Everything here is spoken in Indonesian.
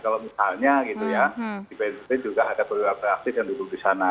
kalau misalnya di bntt juga ada perwira aktif yang duduk di sana